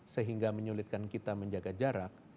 sehingga menyulitkan kita menjaga jarak